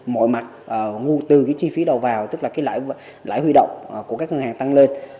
mọi mặt nguồn từ cái chi phí đầu vào tức là cái lãi huy động của các ngân hàng tăng lên